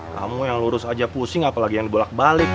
kamu yang lurus aja pusing apalagi yang dibolak balik